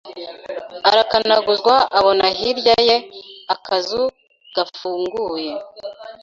Arakanaguzwa abona hirya ye akazu gafunguye